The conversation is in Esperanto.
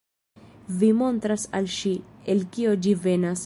Vi montras al ŝi, el kio ĝi venas.